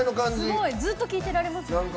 すごいずっと聴いてられますね。